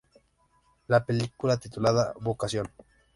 La película titulada "¿Vocación?